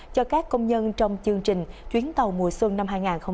cho các công nhân trong chương trình chuyến tàu mùa xuân năm hai nghìn hai mươi bốn